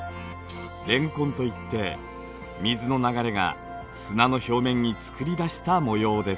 漣痕といって水の流れが砂の表面に作り出した模様です。